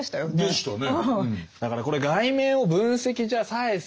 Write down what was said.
でしたね。